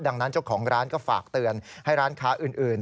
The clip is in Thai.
ดังนั้นเจ้าของร้านก็ฝากเตือนให้ร้านค้าอื่น